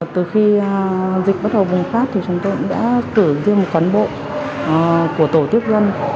từ khi dịch bắt đầu bùng phát thì chúng tôi cũng đã cử riêng một cán bộ của tổ tiếp dân